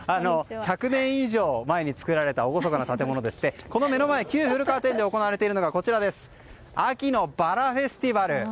１００年以上前に造られた厳かな建物でこちらの前で行われているのが秋のバラフェスティバル。